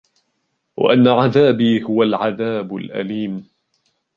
وَأَنَّ عَذَابِي هُوَ الْعَذَابُ الْأَلِيمُ